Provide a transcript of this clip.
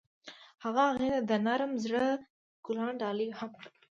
هغه هغې ته د نرم زړه ګلان ډالۍ هم کړل.